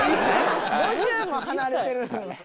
５０も離れてる。